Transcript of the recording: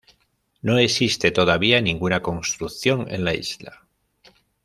No existe todavía ninguna construcción en la isla.